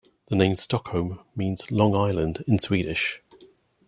The name Stockholm means "log island" in Swedish.